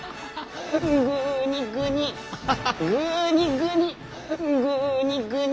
ぐにぐにハハぐにぐにぐにぐに